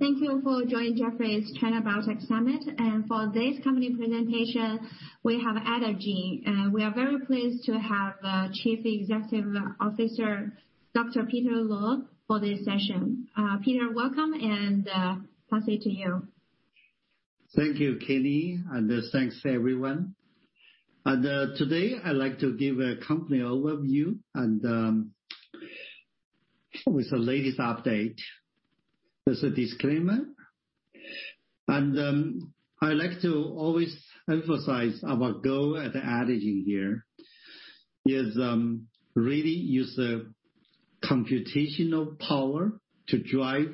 Thank you for joining Jefferies China Biotech Summit. For this company presentation, we have Adagene. We are very pleased to have our Chief Executive Officer, Dr. Peter Luo, for this session. Peter, welcome, and pass it to you. Thank you, Kennyy, and thanks everyone. Today, I'd like to give a company overview and with the latest update. There's a disclaimer. I like to always emphasize our goal at Adagene here is really use the computational power to drive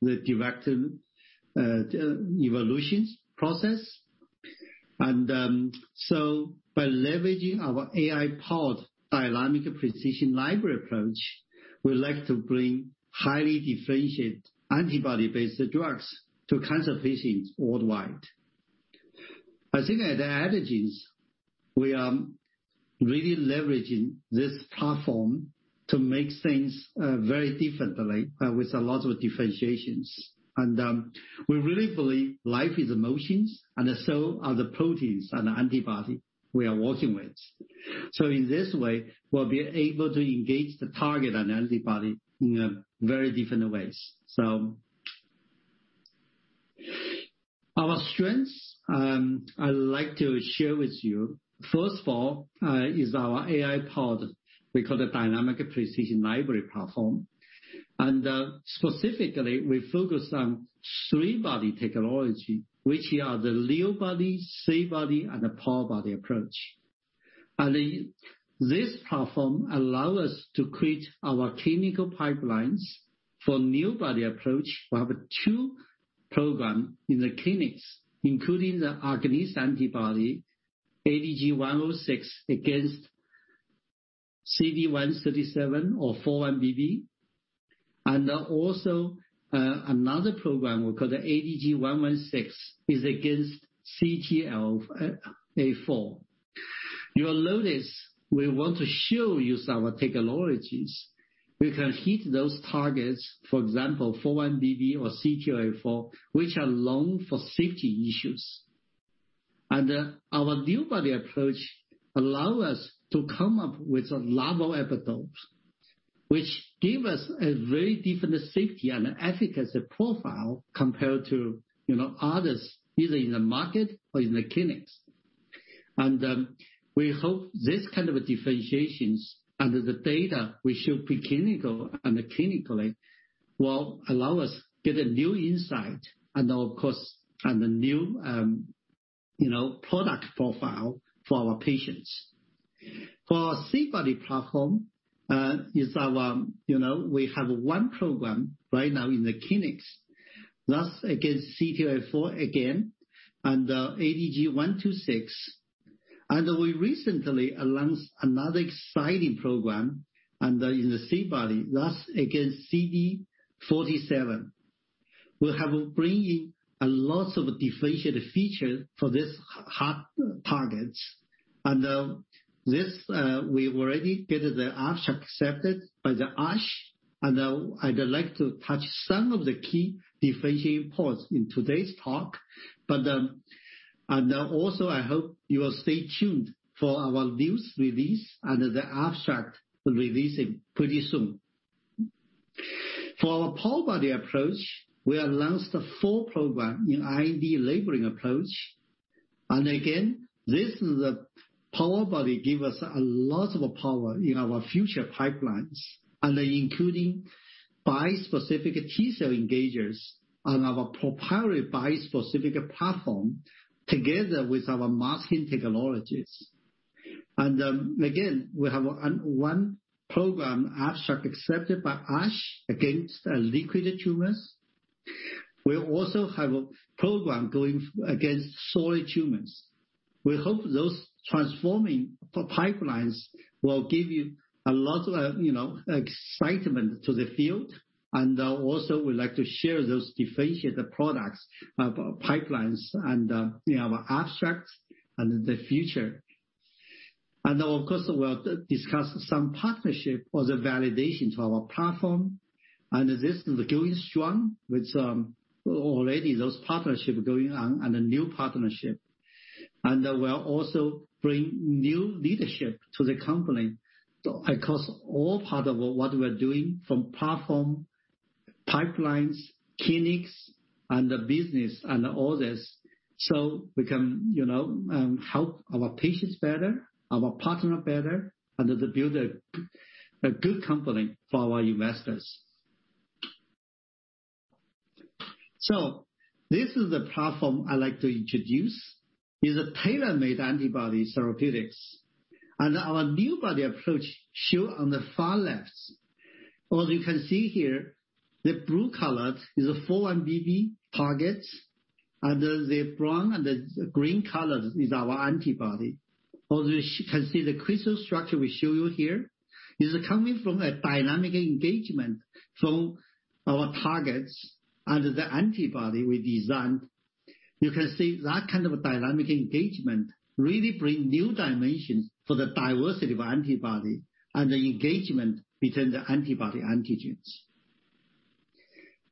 the directed evolutions process. By leveraging our AI-powered Dynamic Precision Library approach, we like to bring highly differentiated antibody-based drugs to cancer patients worldwide. As in Adagene, we are really leveraging this platform to make things very differently with a lot of differentiations. We really believe life is emotions, and so are the proteins and the antibody we are working with. In this way, we'll be able to engage the target and antibody in very different ways. Our strengths, I'd like to share with you. First of all, this is our AI-powered. We call it Dynamic Precision Library platform. Specifically, we focus on three-body technology, which are the NEObody, SAFEbody, and the POWERbody approach. This platform allow us to create our clinical pipelines. For NEObody approach, we have two program in the clinics, including the agonist antibody, ADG106 against CD137 or 4-1BB. Another program we call the ADG116, is against CTLA-4. You will notice we want to show you some technologies. We can hit those targets, for example, 4-1BB or CTLA-4, which are known for safety issues. Our NEObody approach allow us to come up with a novel epitope, which give us a very different safety and efficacy profile compared to, you know, others, either in the market or in the clinics. We hope this kind of differentiations and the data we show pre-clinical and clinically will allow us get a new insight and of course a new you know product profile for our patients. For our SAFEbody platform is our you know we have one program right now in the clinics. That's against CTLA-4 again and ADG126. We recently announced another exciting program in the SAFEbody that's against CD47. We have bringing a lot of differentiated features for this hard targets. This we've already getting the abstract accepted by the ASH and I'd like to touch some of the key differentiating points in today's talk. I hope you will stay tuned for our news release and the abstract releasing pretty soon. For our POWERbody approach, we announced the full program in IND-enabling approach. Again, this is a POWERbody, give us a lot of power in our future pipelines, and including bispecific T-cell engagers on our proprietary bispecific platform together with our masking technologies. Again, we have one program abstract accepted by ASH against liquid tumors. We also have a program going against solid tumors. We hope those transforming pipelines will give you a lot of, you know, excitement to the field. Also, we'd like to share those differentiated products, pipelines and our abstracts in the future. Of course, we'll discuss some partnership for the validation to our platform. This is going strong with already those partnership going on and a new partnership. We'll also bring new leadership to the company across all part of what we're doing from platform, pipelines, clinics, and the business and all this, so we can, you know, help our patients better, our partner better, and to build a good company for our investors. This is the platform I'd like to introduce, is a tailor-made antibody therapeutics. Our NEObody approach shown on the far left. As you can see here, the blue color is a 4-1BB target, and the brown and the green color is our antibody. As you can see, the crystal structure we show you here is coming from a dynamic engagement from our targets and the antibody we designed. You can see that kind of dynamic engagement really bring new dimensions for the diversity of antibody and the engagement between the antibody antigens.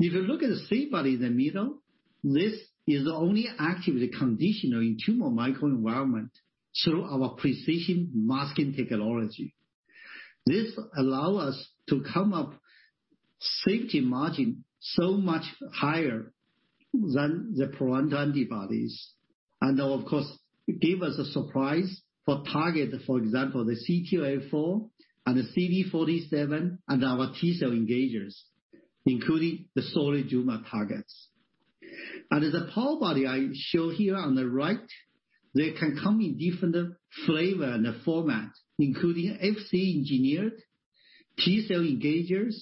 If you look at the SAFEbody in the middle, this is the only activity conditioned in tumor microenvironment through our precision masking technology. This allows us to come up safety margin so much higher than the parental antibodies. Of course, gives us a safer profile for target, for example, the CTLA-4 and the CD47 and our T-cell engagers, including the solid tumor targets. The POWERbody I show here on the right, they can come in different flavor and the format, including Fc Engineered, T-cell Engagers,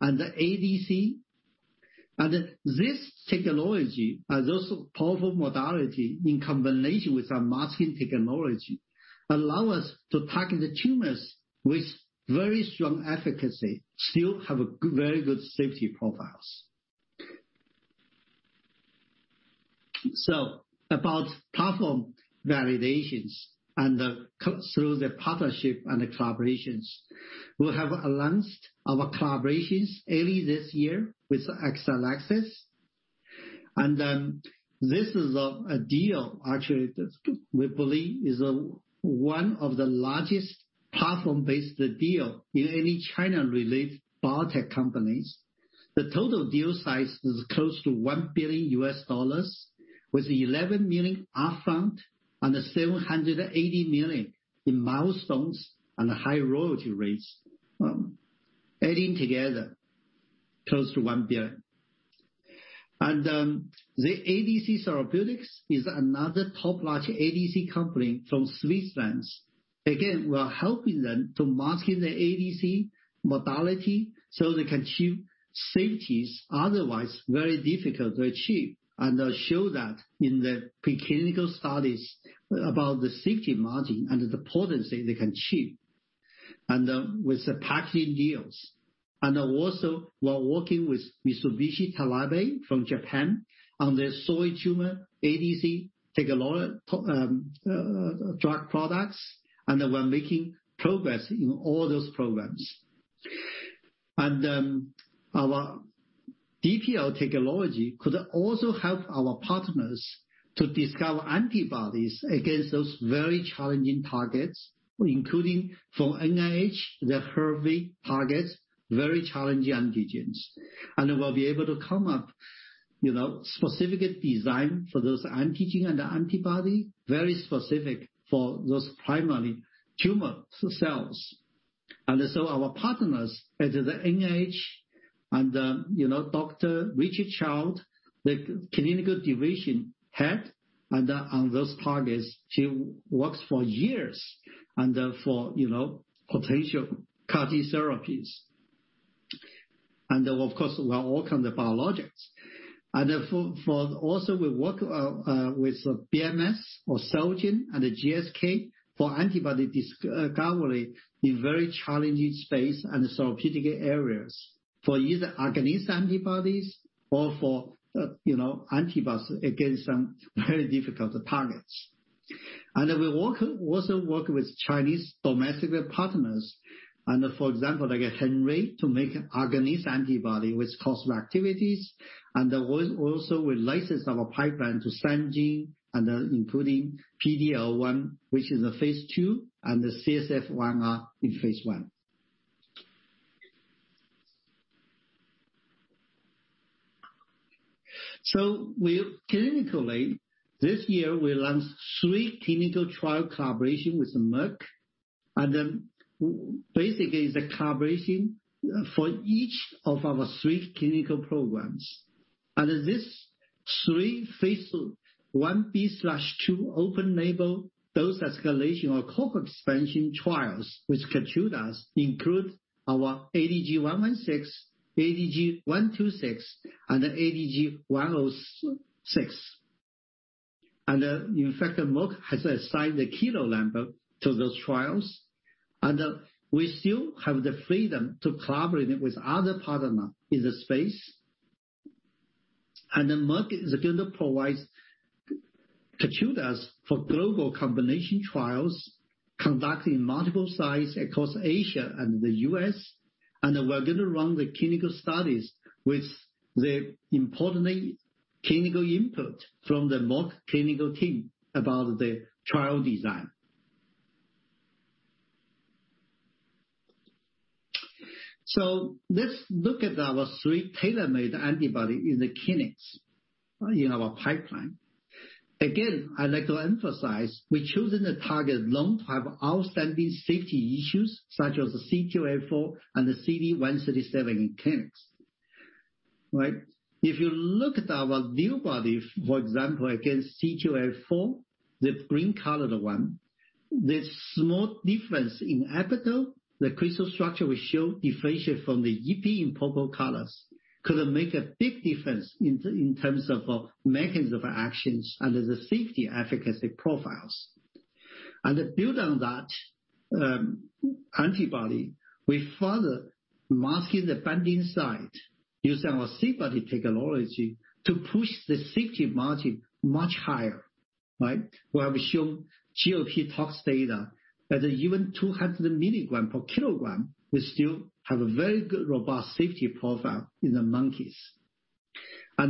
and the ADC. This technology are those powerful modality in combination with our masking technology, allow us to target the tumors with very strong efficacy, still have a good, very good safety profiles. About platform validations and through the partnership and the collaborations, we have announced our collaborations early this year with Exelixis. This is a deal actually that we believe is one of the largest platform-based deals in any China-related biotech companies. The total deal size is close to $1 billion, with $11 million upfront and $780 million in milestones and high royalty rates. Adding together close to $1 billion. ADC Therapeutics is another top large ADC company from Switzerland. Again, we are helping them to market their ADC modality so they can achieve safety otherwise very difficult to achieve. They will show that in the preclinical studies about the safety margin and the potency they can achieve, with the packaging deals. We are also working with Mitsubishi Tanabe from Japan on their solid tumor ADC technology, drug products. We are making progress in all those programs. Our DPL technology could also help our partners to discover antibodies against those very challenging targets, including for NIH, the HERV targets, very challenging antigens. We'll be able to come up, you know, specific design for those antigen and antibody, very specific for those primary tumor cells. Our partners at the NIH and, you know, Dr. Richard Childs, the clinical division head, and on those targets, he works for years and for, you know, potential CAR-T therapies. Of course, we are all on the biologics. We also work with BMS or Celgene and GSK for antibody discovery in very challenging space and therapeutic areas for either agonist antibodies or for, you know, antibodies against some very difficult targets. We also work with Chinese domestic partners and for example, like Hengrui, to make agonist antibody with co-stimulatory activities. We also license our pipeline to Sanjin and including PD-L1, which is a phase II, and the CSF1R in phase I. This year we launched three clinical trial collaborations with Merck, and basically the collaboration for each of our three clinical programs. These three phase I-B/II open-label, dose escalation or cohort expansion trials which include KEYTRUDA, our ADG116, ADG126, and ADG106. In fact, Merck has assigned the clinical lead to those trials. We still have the freedom to collaborate with other partners in the space. Merck is going to provide KEYTRUDA for global combination trials conducted in multiple sites across Asia and the U.S. We're going to run the clinical studies with the important clinical input from the Merck clinical team about the trial design. Let's look at our three tailor-made antibodies in the clinics in our pipeline. Again, I'd like to emphasize, we've chosen a target known to have outstanding safety issues, such as the CTLA-4 and the CD137 clinics, right? If you look at our NEObody, for example, against CTLA-4, the green colored one, there's small difference in epitope. The crystal structure will show differentiation from the ipi in purple colors. Could it make a big difference in terms of mechanism of actions and the safety efficacy profiles. To build on that antibody, we further masking the binding site using our SAFEbody technology to push the safety margin much higher, right? Where we show GLP tox data at even 200 milligrams per kilogram, we still have a very good robust safety profile in the monkeys. For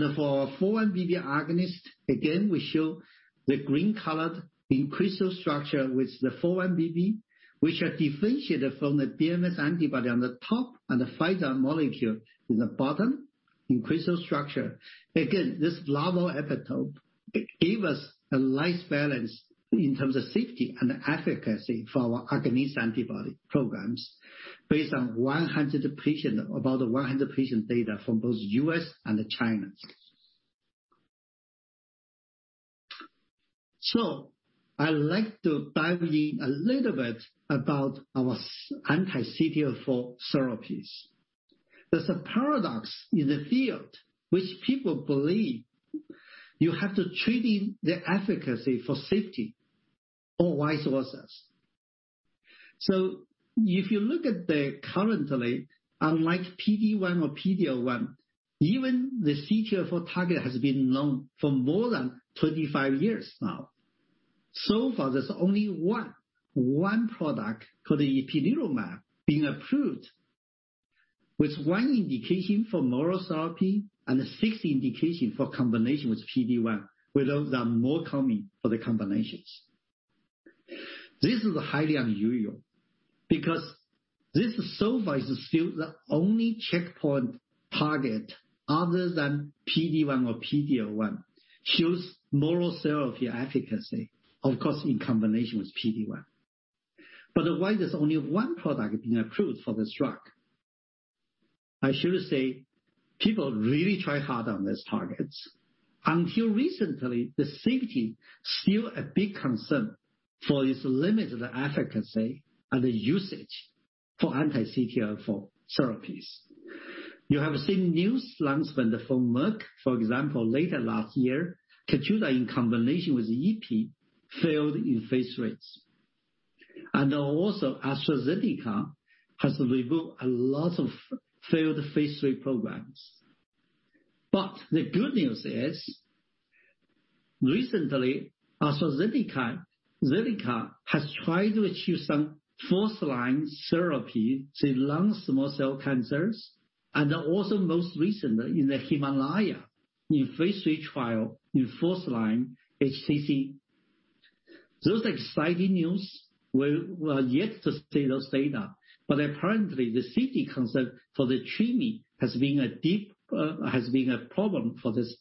4-1BB agonist, again, we show the green colored in crystal structure with the 4-1BB, which are differentiated from the BMS antibody on the top and the Pfizer molecule in the bottom in crystal structure. Again, this novel epitope, it gave us a nice balance in terms of safety and efficacy for our agonist antibody programs based on about 100 patient data from both U.S. and China. I like to dive in a little bit about our anti-CTLA-4 therapies. There's a paradox in the field which people believe you have to trade in the efficacy for safety or vice versa. If you look at currently, unlike PD-1 or PD-L1, even the CTLA-4 target has been known for more than 25 years now. So far, there's only one product called ipilimumab being approved with one indication for monotherapy and a sixth indication for combination with PD-1, where those are more common for the combinations. This is highly unusual because this so far is still the only checkpoint target other than PD-1 or PD-L1, shows monotherapy efficacy, of course, in combination with PD-1. Why there's only one product being approved for this drug? I should say, people really try hard on these targets. Until recently, the safety still a big concern for this limited efficacy and the usage for anti-CTLA-4 therapies. You have seen news last month from Merck, for example. Late last year, KEYTRUDA in combination with ipi failed in phase III. AstraZeneca has revoked a lot of failed phase III programs. The good news is recently AstraZeneca has tried to achieve some first-line therapy to lung small cell cancers and also most recently in the HIMALAYA in phase III trial in first-line HCC. Those exciting news. We are yet to see those data, but apparently the safety concern for the treatment has been a deep problem for this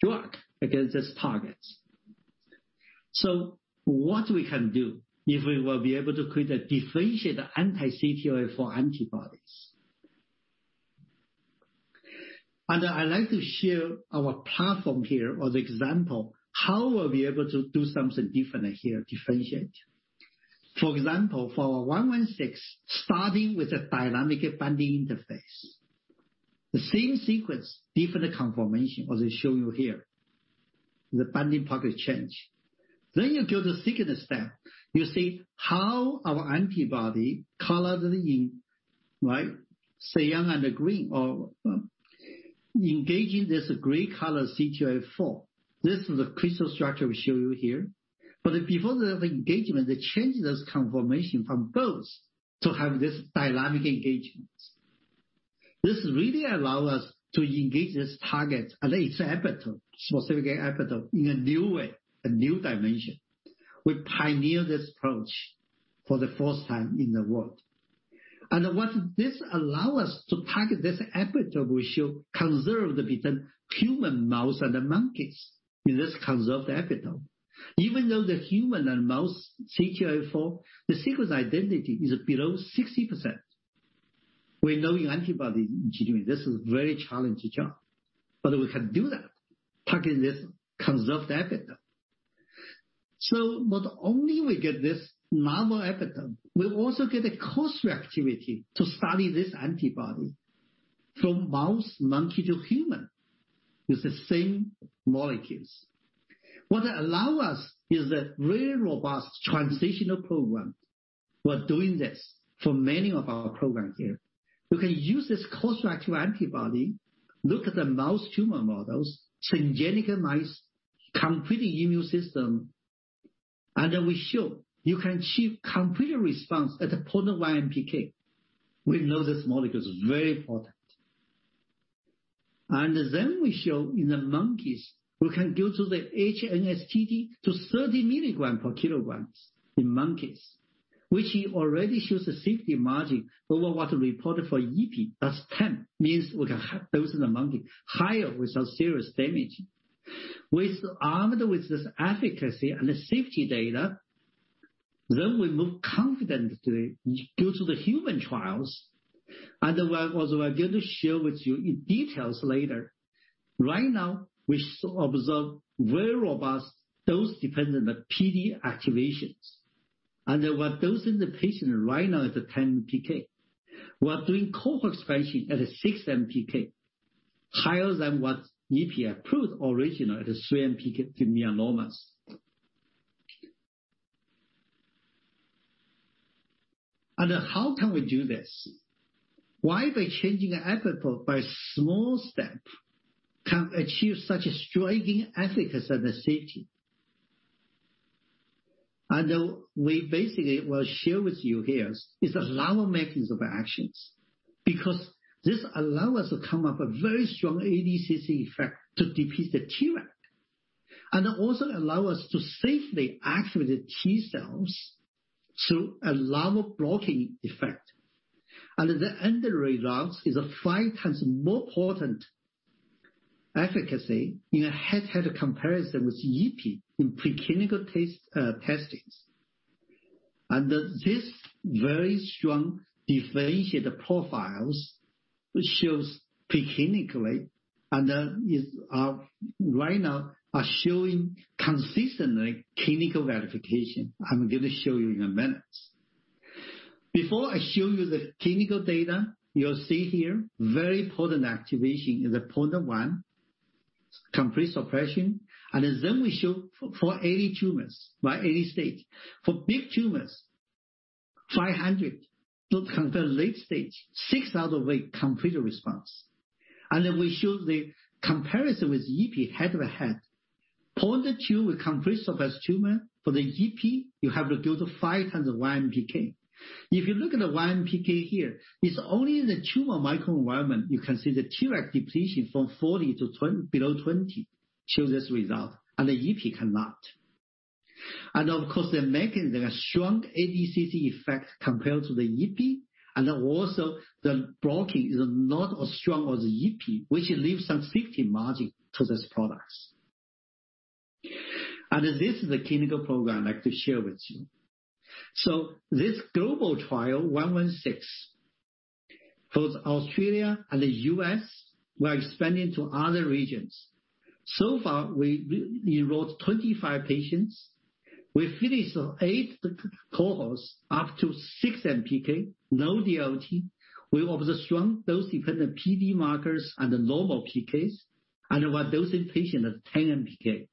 drug against these targets. What we can do if we will be able to create a differentiated anti-CTLA-4 antibodies. I like to share our platform here or the example, how we'll be able to do something different here, differentiate. For example, for ADG116, starting with a dynamic binding interface. The same sequence, different conformation, as I show you here. The binding pocket change. Then you go to the second step. You see how our antibody colored in, right, cyan and green are engaging this gray color CTLA-4. This is the crystal structure we show you here. Before they have engagement, they change this conformation from both to have this dynamic engagement. This really allow us to engage this target at its epitope, specific epitope, in a new way, a new dimension. We pioneer this approach for the first time in the world. What this allow us to target this epitope we show conserved between human, mouse, and monkeys in this conserved epitope. Even though the human and mouse CTLA-4, the sequence identity is below 60%. We know in antibody engineering, this is very challenging job. We can do that, target this conserved epitope. Not only we get this novel epitope, we also get a cross-reactivity to study this antibody from mouse, monkey to human, with the same molecules. What allow us is a very robust translational program. We're doing this for many of our programs here. We can use this cross-reactive antibody, look at the mouse tumor models, syngeneic mice, complete immune system, and then we show you can achieve complete response at a dose of 1 mpk. We know this molecule is very important. We show in the monkeys, we can go to the HNSTD to 30 milligrams per kilogram in monkeys, which already shows a safety margin over what's reported for ipi at 10, means we can have dose in the monkey higher without serious damage. Armed with this efficacy and the safety data, then we move confidently go to the human trials. What I was going to share with you in details later, right now we observe very robust dose-dependent PD activations. What dose in the patient right now is at 10 mpk. We are doing cohort expansion at a 6 mpk. Higher than what Yervoy approved original at a 3 mpk to myelomas. How can we do this? Why by changing the Fc by small step can achieve such a striking efficacy and safety? We basically will share with you here our mechanisms of actions, because this allow us to come up with very strong ADCC effect to deplete the Treg, and also allow us to safely activate the T-cells through a novel blocking effect. The end result is a five times more potent efficacy in a head-to-head comparison with Yervoy in preclinical testing. This very strong differentiated profiles which shows preclinically and is right now are showing consistently clinical verification. I'm gonna show you in a minute. Before I show you the clinical data, you'll see here very potent activation in the 0.1 complete suppression. We show for 80 tumors by 80 stage. For big tumors, 500 compared late stage, six out of eight complete response. We show the comparison with ipi head-to-head. 0.2 with complete suppressed tumor. For the ipi, you have to do the 501 mpk. If you look at the 1 mpkhere, it's only in the tumor microenvironment you can see the Treg depletion from 40 to below 20 shows this result, and the ipi cannot. Of course, the mechanism, a strong ADCC effect compared to the ipi, and also the blocking is not as strong as ipi, which leaves some safety margin to these products. This is the clinical program I'd like to share with you. This global trial, 116, both Australia and the U.S., we're expanding to other regions. So far we enrolled 25 patients. We finished eight cohorts up to 6 mpk, no DLT. We observed strong dose dependent PD markers and normal PKs, and with dose in patient of 10 mpk.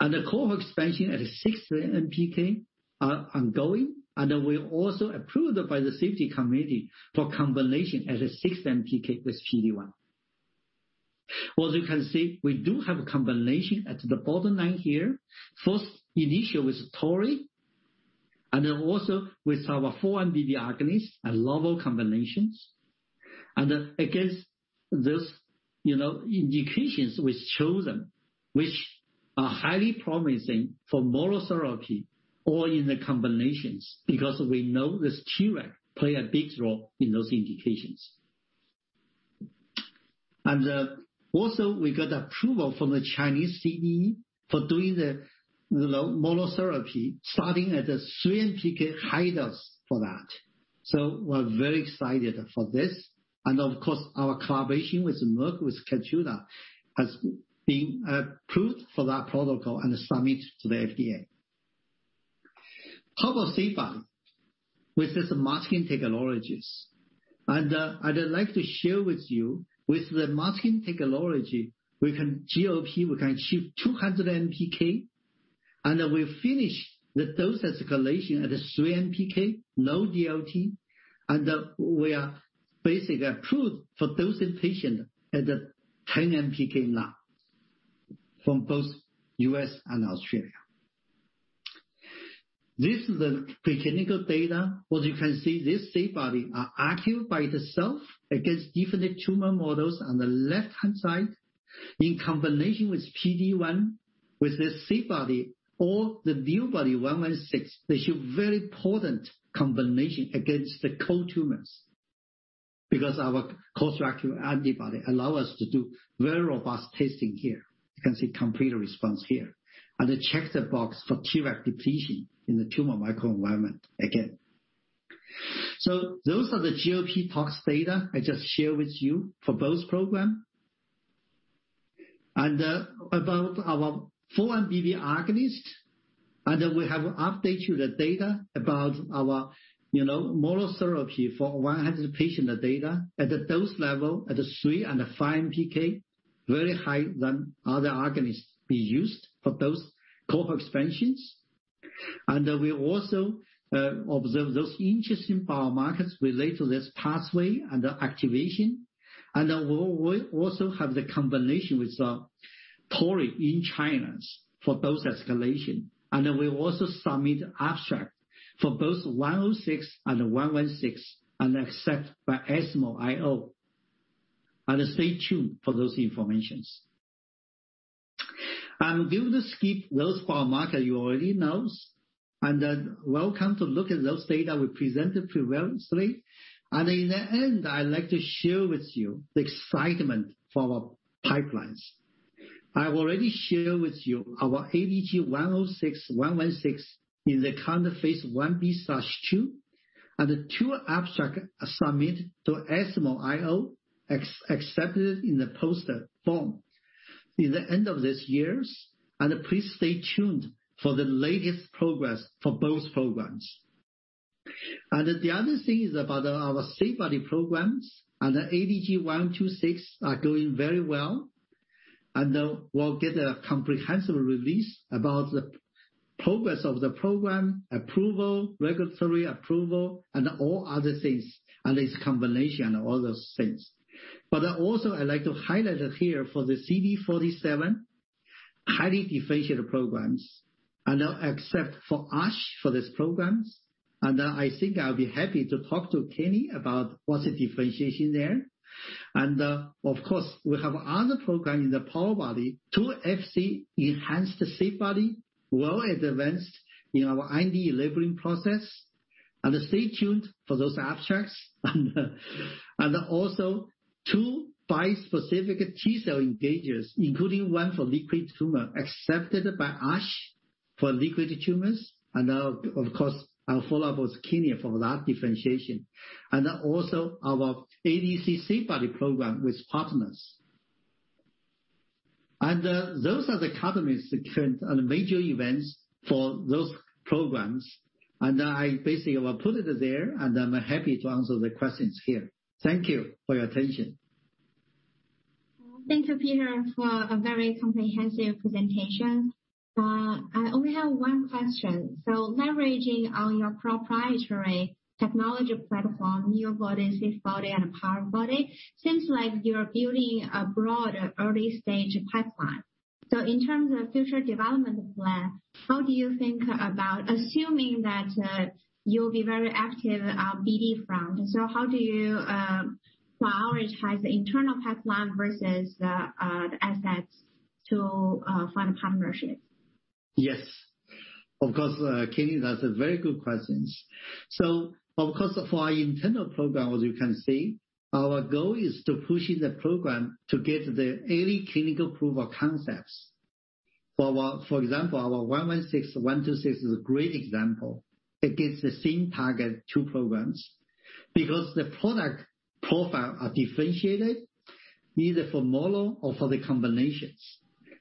The cohort expansion at 6 mpk are ongoing, and we're also approved by the CDE committee for combination at 6 mpk with PD-1. As you can see, we do have a combination at the bottom line here. First initial with toripalimab, and then also with our 4-1BB agonist and novel combinations. Against this, you know, indications we've chosen which are highly promising for monotherapy or in the combinations, because we know this Tregs play a big role in those indications. We got approval from the Chinese CDE for doing the monotherapy starting at a 3 mpk high dose for that. We're very excited for this. Of course, our collaboration with Merck, with KEYTRUDA, has been approved for that protocol and submitted to the FDA. How about SAFEbody with this masking technologies? I'd like to share with you the masking technology, we can GOP, we can achieve 200 mpk, and we finish the dose escalation at a 3 mpk, no DLT, and we are basically approved for dose in patient at the 10 mpk, now from both U.S. and Australia. This is the preclinical data. As you can see, this SAFEbody is active by itself against different tumor models on the left-hand side. In combination with PD-1, with this SAFEbody or the NEObody ADG116, they show very potent combination against the cold tumors because our construct antibody allow us to do very robust testing here. You can see complete response here. Check the box for Treg depletion in the tumor microenvironment again. Those are the GLP tox data I just shared with you for both program. About our 4-1BB agonist, we have updated the data about our, you know, monotherapy for 100 patient data at a dose level at 3 mpk and 5 mpk, very high than other agonists we used for those cohort expansions. We also observe those interesting biomarkers related to this pathway and the activation. We also have the combination with toripalimab in China for dose escalation. We also submit abstract for both ADG106 and ADG116 and accept by ESMO IO. Stay tuned for those informations. Due to skip those biomarker you already knows, and then welcome to look at those data we presented previously. In the end, I'd like to share with you the excitement for our pipelines. I already shared with you our ADG106 and ADG116 in the current phase I-B/II, and the two abstracts submitted to ESMO IO accepted in the poster form at the end of this year. Please stay tuned for the latest progress for both programs. The other thing is about our SAFEbody programs and the ADG126 are going very well. We'll get a comprehensive release about the progress of the program approval, regulatory approval, and all other things, and its combination and all those things. But also, I'd like to highlight it here for the CD47, highly differentiated programs. Except for ASH for these programs, and I think I'll be happy to talk to Kenny about what's the differentiation there. Of course, we have other program in the POWERbody, two Fc-enhanced SAFEbody, well advanced in our IND-enabling process. Stay tuned for those abstracts. Also, two bispecific T-cell engagers, including one for liquid tumor, accepted by ASH for liquid tumors. Of course, I'll follow up with Kenny for that differentiation. Also, our ADC SAFEbody program with partners. Those are the catalysts and major events for those programs. I basically will put it there, and I'm happy to answer the questions here. Thank you for your attention. Thank you, Peter, for a very comprehensive presentation. I only have one question. Leveraging on your proprietary technology platform, NEObody, SAFEbody and POWERbody, seems like you're building a broad early-stage pipeline. In terms of future development plan, how do you think about assuming that you'll be very active on BD front? How do you prioritize the internal pipeline versus the assets to find partnerships? Yes. Of course, Kenny, that's a very good question. Of course, for our internal program, as you can see, our goal is to push the program to get the early clinical proof of concepts. For example, our ADG116, ADG126 is a great example. It gives the same target two programs because the product profile are differentiated, either for mono or for the combinations.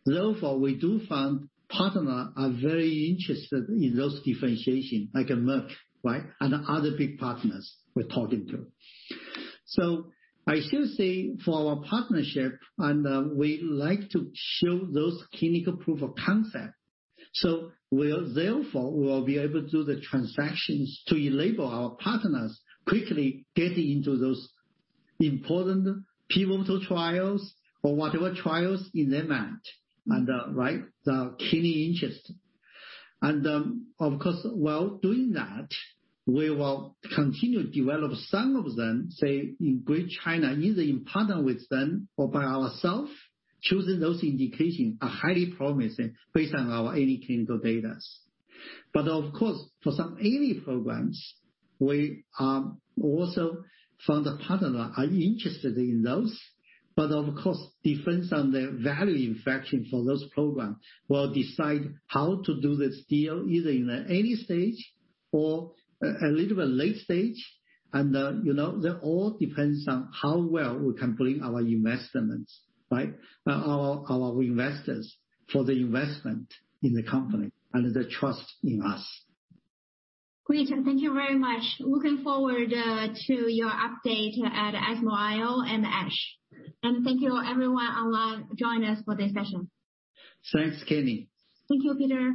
Therefore, we do find partners are very interested in those differentiation, like Merck, right, and other big partners we're talking to. I still say for our partnership and, we like to show those clinical proof of concept. Therefore, we'll be able to do the transactions to enable our partners quickly get into those important pivotal trials or whatever trials in their mind and, right, the key interest. Of course, while doing that, we will continue to develop some of them, say in Greater China, either in partnership with them or by ourselves, choosing those indications that are highly promising based on our early clinical data. Of course, for some early programs, we are also hearing from partners who are interested in those. Of course, it depends on the value inflection for those programs. We'll decide how to do this deal, either in an early stage or a little bit later stage. That all depends on how well we can bring in our investors, right, our investors for the investment in the company and the trust in us. Great. Thank you very much. Looking forward to your update at ESMO IO and ASH. Thank you everyone online joining us for this session. Thanks, Kenny. Thank you, Peter.